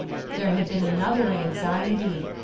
There had been another anxiety.